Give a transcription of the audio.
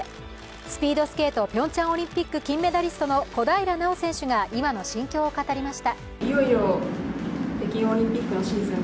スピードスケート、ピョンチャンオリンピック金メダリストの小平奈緒選手が今の心境を語りました。